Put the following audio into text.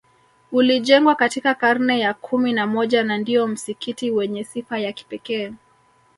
Ulijengwa katika karne ya kumi na moja na ndio msikiti wenye sifa ya kipekee